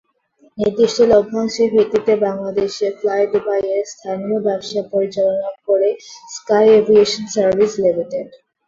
নির্দিষ্ট লভ্যাংশের ভিত্তিতে বাংলাদেশে ফ্লাইদুবাইয়ের স্থানীয় ব্যবসা পরিচালনা করে স্কাই এভিয়েশন সার্ভিসেস লিমিটেড।